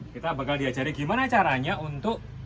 kita bakal diajari gimana caranya untuk